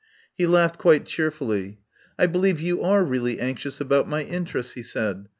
He laughed quite cheerfully. 200 THE POWER HOUSE "I believe you are really anxious about my interests," he said.